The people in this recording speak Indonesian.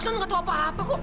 kan gak tau apa apa kok